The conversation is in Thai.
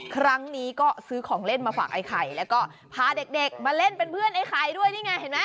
ครั้งนี้ก็ซื้อของเล่นมาฝากไอ้ไข่แล้วก็พาเด็กมาเล่นเป็นเพื่อนไอ้ไข่ด้วยนี่ไงเห็นไหม